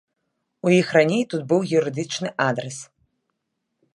У іх раней тут быў юрыдычны адрас.